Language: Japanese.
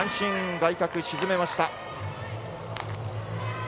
外角、沈めました。